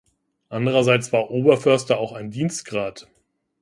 Andererseits war Oberförster auch ein Dienstgrad.